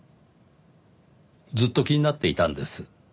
ずっと気になっていたんです。